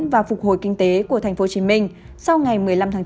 và phục hồi kinh tế của tp hcm sau ngày một mươi năm tháng chín